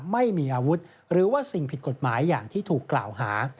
ไม่มีอาวุธหรือว่าสิ่งผิดกฎหมายอย่างที่ถูกกล่าวหา